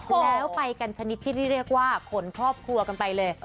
แล้วไปกันชนิดที่เรียกว่าขนครอบครัวกันไปเลย